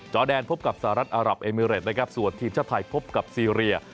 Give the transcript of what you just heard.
แดนพบกับสหรัฐอารับเอมิเรตนะครับส่วนทีมชาติไทยพบกับซีเรีย